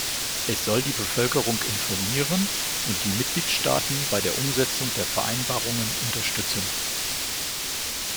Es soll die Bevölkerung informieren und die Mitgliedsstaaten bei der Umsetzung der Vereinbarungen unterstützen.